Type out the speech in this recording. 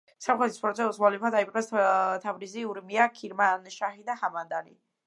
სამხრეთის ფრონტზე ოსმალებმა დაიპყრეს თავრიზი, ურმია, ქირმანშაჰი და ჰამადანი.